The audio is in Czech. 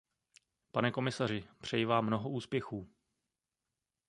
Pane komisaři, přeji Vám mnoho úspěchů.